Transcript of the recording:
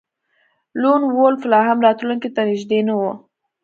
لون وولف لاهم راتلونکي ته نږدې نه و